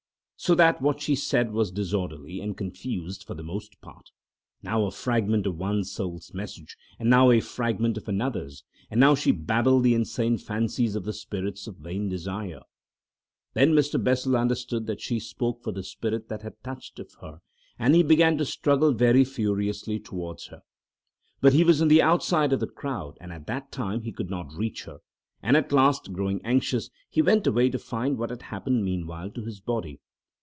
So that what she said was disorderly and confused for the most part; now a fragment of one soul's message, and now a fragment of another's, and now she babbled the insane fancies of the spirits of vain desire. Then Mr. Bessel understood that she spoke for the spirit that had touch of her, and he began to struggle very furiously towards her. But he was on the outside of the crowd and at that time he could not reach her, and at last, growing anxious, he went away to find what had happened meanwhile to his body.